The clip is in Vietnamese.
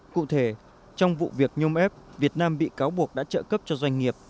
cụ thể trong vụ việc nhôm ép việt nam bị cáo buộc đã trợ cấp cho doanh nghiệp